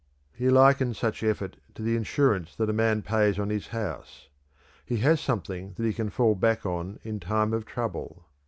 He likens such effort to the insurance that a man pays on his house. He has something that he can fall back on in time of trouble.